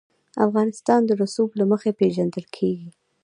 افغانستان د رسوب له مخې پېژندل کېږي.